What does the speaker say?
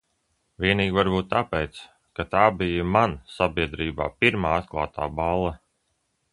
Vienīgi varbūt tāpēc, ka tā bija man sabiedrībā pirmā atklātā balle.